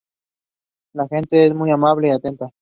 La gente es muy amable y atenta.